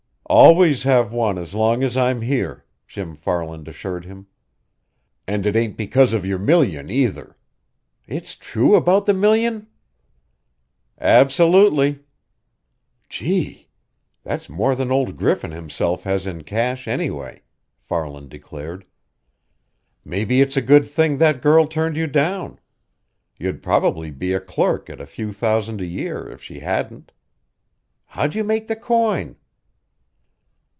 "Always have one as long as I'm here," Jim Farland assured him. "And it ain't because of your million, either. It's true about the million?" "Absolutely!" "Gee! That's more than old Griffin himself has in cash, anyway," Farland declared. "Maybe it's a good thing that girl turned you down. You'd probably be a clerk at a few thousand a year, if she hadn't. How'd you make the coin?"